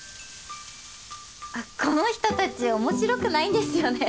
あっこの人たち面白くないんですよね！